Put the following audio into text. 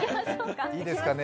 いいですかね？